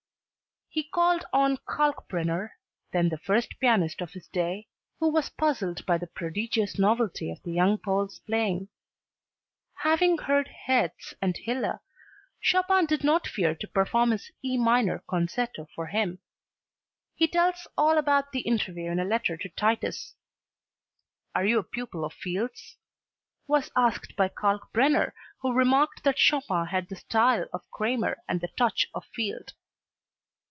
He called on Kalkbrenner, then the first pianist of his day, who was puzzled by the prodigious novelty of the young Pole's playing. Having heard Herz and Hiller, Chopin did not fear to perform his E minor concerto for him. He tells all about the interview in a letter to Titus: "Are you a pupil of Field's?" was asked by Kalkbrenner, who remarked that Chopin had the style of Cramer and the touch of Field.